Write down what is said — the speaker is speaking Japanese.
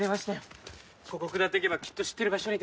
ここ下っていけばきっと知ってる場所に出るはずです。